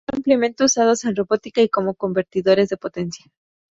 Son ampliamente usados en robótica y como convertidores de potencia.